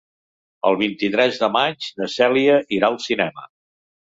El vint-i-tres de maig na Cèlia irà al cinema.